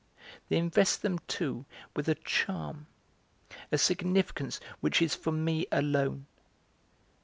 They invest them, too, with a charm, a significance which is for me alone.